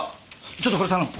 ちょっとこれ頼む。